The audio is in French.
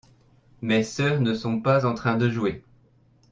Mes sœurs ne sont pas en train de jouer.